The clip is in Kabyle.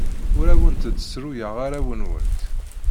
Ur awent-d-ssruyeɣ arraw-nwent.